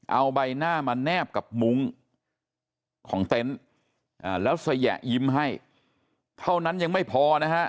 เอาใบหน้ามาแนบกับมุ้งของเต็นต์แล้วสยะยิ้มให้เท่านั้นยังไม่พอนะฮะ